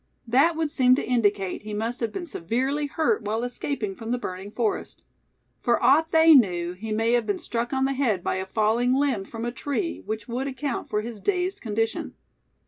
That would seem to indicate he must have been severely hurt while escaping from the burning forest. For aught they knew he may have been struck on the head by a falling limb from a tree, which would account for his dazed condition.